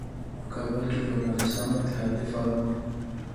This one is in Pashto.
په کابل کې ژورنالېستانو اتحادیه فعاله وه.